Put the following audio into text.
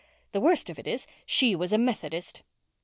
The worst of it is, she was a Methodist."